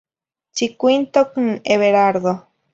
Tsicuintoc n Everardo.